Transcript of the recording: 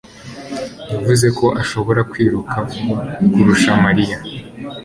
yavuze ko ashobora kwiruka vuba kurusha Mariya.